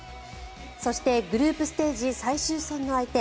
そしてグループステージ最終戦の相手